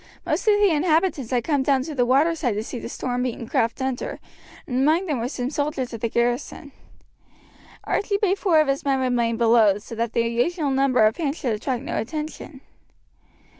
Most of the inhabitants had come down to the water side to see the storm beaten craft enter, and among them were some soldiers of the garrison. Archie bade four of his men remain below, so that the unusual number of hands should attract no attention.